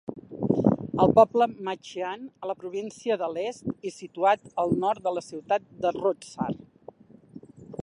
El poble "Machian" a la província de l'est i situat al nord de la ciutat de Roodsar.